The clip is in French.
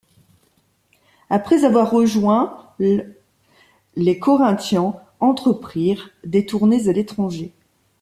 Après avoir rejoint l', les Corinthians entreprirent des tournées à l'étranger.